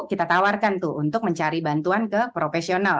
kita tawarkan tuh untuk mencari bantuan ke profesional